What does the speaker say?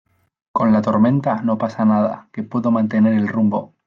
con la tormenta no pasa nada, que puedo mantener el rumbo.